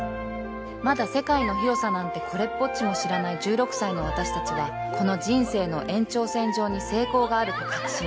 まだ世界の広さなんてこれっぽっちも知らない１６歳の私たちはこの人生の延長線上に成功があると確信した